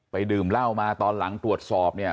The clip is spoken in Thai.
ดื่มเหล้ามาตอนหลังตรวจสอบเนี่ย